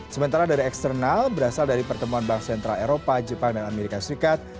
sementara dari eksternal berasal dari pertemuan bank sentral eropa jepang dan amerika serikat